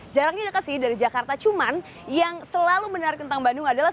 jarangnya dikasih dari jakarta cuman yang selalu menarik tentang bandung adalah